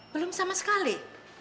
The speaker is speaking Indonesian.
belum sama sekali